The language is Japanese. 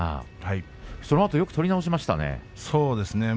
そのあとよく取り直しましたね。